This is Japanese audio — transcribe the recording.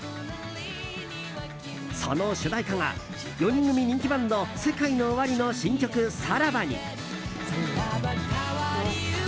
その主題歌が４人組人気バンドＳＥＫＡＩＮＯＯＷＡＲＩの新曲「サラバ」に。